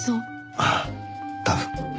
ああ多分。